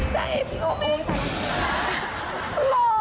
ใจพี่โอปิส